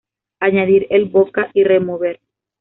Añadir el vodka y remover.